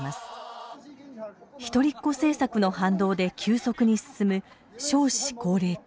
一人っ子政策の反動で急速に進む少子高齢化。